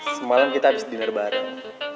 semalam kita habis diner bareng